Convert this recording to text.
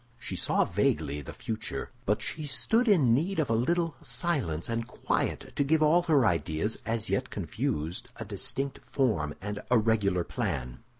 She saw vaguely the future; but she stood in need of a little silence and quiet to give all her ideas, as yet confused, a distinct form and a regular plan.